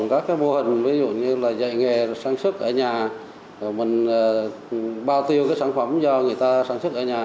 còn các cái mô hình ví dụ như là dạy nghề sản xuất ở nhà rồi mình bao tiêu cái sản phẩm do người ta sản xuất ở nhà